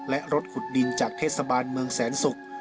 และรถขุดดินจากเทศบาลเมืองแสนศุกร์